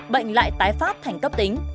bệnh lại tái phát thành cấp tính